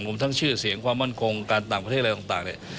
รวมทั้งชื่อเสียงความมั่นคงการต่างประเทศอะไรต่างเนี่ย